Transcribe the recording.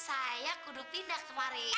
saya kudu pindah kemarin